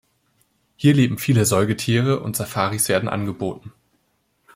Hier leben viele Säugetiere, und Safaris werden angeboten.